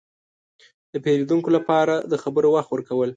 – د پېرودونکو لپاره د خبرو وخت ورکول.